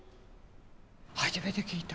初めて聞いた。